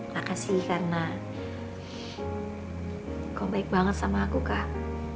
makasih karena kau baik banget sama aku kak